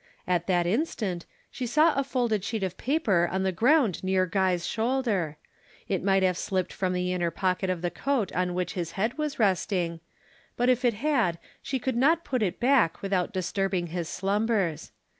At that instant she saw a folded sheet of paper on the ground near Guy's shoulder. It might have slipped from the inner pocket of the coat on which his head was resting, but if it had she could not put it back without disturbing his slumbers.